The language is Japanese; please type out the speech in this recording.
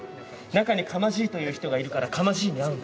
中に釜爺という人がいるから釜爺に会うんだ。